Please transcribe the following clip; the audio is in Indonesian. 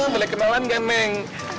boleh kenalan gak men